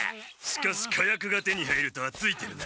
しかし火薬が手に入るとはツイてるな。